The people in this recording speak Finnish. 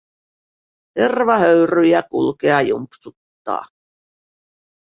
Tervahöyryjä kulkea jumpsuttaa.